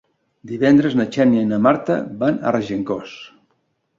Divendres na Xènia i na Marta van a Regencós.